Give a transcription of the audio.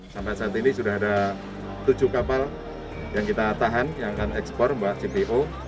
sampai saat ini sudah ada tujuh kapal yang kita tahan yang akan ekspor mbak jpo